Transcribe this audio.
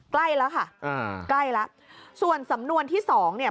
ใกล้ละค่ะอืมใกล้ละส่วนสำนวนที่สองเนี่ย